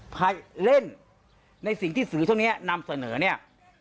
พอเล่นในสิ่งที่สื่อเท่านี้นำเสนอเนี่ย